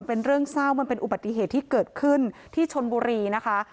เป็นเรื่องเศร้ามันเป็นอุบัติเหตุที่เกิดขึ้นที่ชนบุรีนะคะ